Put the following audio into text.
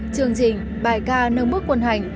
chương trình bài ca nâng bước quân hành